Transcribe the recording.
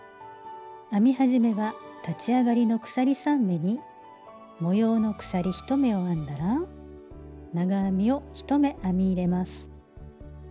編み始めは立ち上がりの鎖３目に模様の鎖１目を編んだら長編みを１目編み入れます。